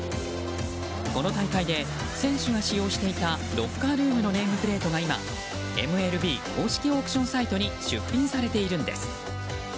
この大会で選手が使用していたロッカールームのネームプレートが今ＭＬＢ公式オークションサイトに出品されているんです。